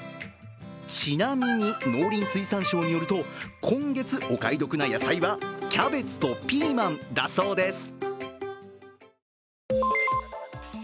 ちなみに、農林水産省によると今月、お買い得な野菜はキャベツとピーマンだそうです。